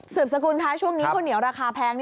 สกุลคะช่วงนี้ข้าวเหนียวราคาแพง